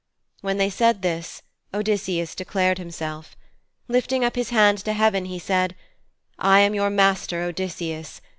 When they said this, Odysseus declared himself. Lifting up his hand to heaven he said, 'I am your master, Odysseus.